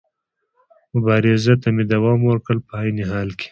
مبارزې ته مې دوام ورکړ، په عین حال کې.